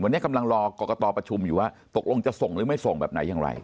วันนี้กำลังรอกรกตประชุมอยู่ว่าตกลงจะส่งหรือไม่ส่งแบบไหนอย่างไร